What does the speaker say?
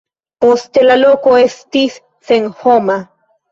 Poste la loko estis senhoma.